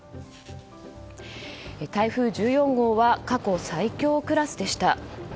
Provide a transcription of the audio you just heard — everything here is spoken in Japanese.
台風１４号は過去最強クラスでした。